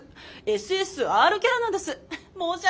ＳＳＲキャラなんです。